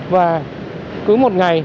và cứ một ngày